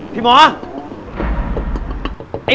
ไปก่อนแล้ว